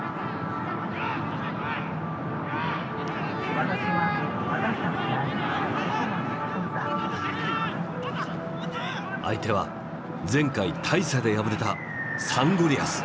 相手は前回大差で敗れたサンゴリアス。